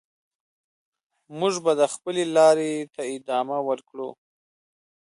موږ به د خپلې لارې ته ادامه ورکړو.